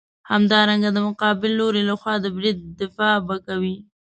همدارنګه د مقابل لوري لخوا د برید دفاع به کوې.